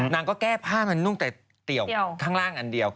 นางก็แก้ผ้ามันนุ่งแต่เตี่ยวข้างล่างอันเดียว